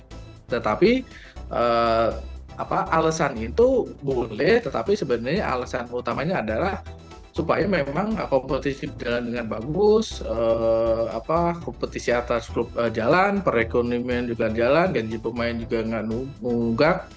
jadi alasan itu boleh tetapi sebenarnya alasan utamanya adalah supaya memang kompetisi berjalan dengan bagus kompetisi atas klub jalan perekonomian juga jalan gaji pemain juga tidak mengunggah